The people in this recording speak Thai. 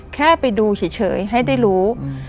แค่ไปดูเฉยให้ได้รู้